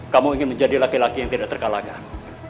kamu ingin menjadi laki laki yang tidak terkalahkan